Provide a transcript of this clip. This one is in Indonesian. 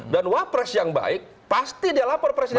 wapres yang baik pasti dia lapor presiden